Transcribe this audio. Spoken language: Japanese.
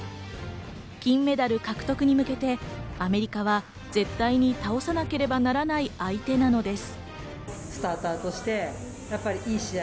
金メダル獲得に向けてアメリカは絶対に倒さなければならない相手なのです。